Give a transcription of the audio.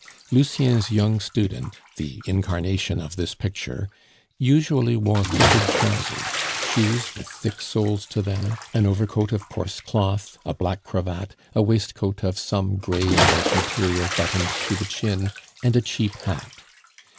Lucien's young student, the incarnation of this picture, usually wore footed trousers, shoes with thick soles to them, an overcoat of coarse cloth, a black cravat, a waistcoat of some gray and white material buttoned to the chin, and a cheap hat.